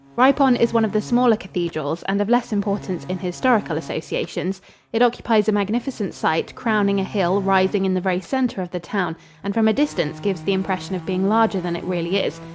Ripon is one of the smaller cathedrals and of less importance in historical associations. It occupies a magnificent site, crowning a hill rising in the very center of the town, and from a distance gives the impression of being larger than it really is.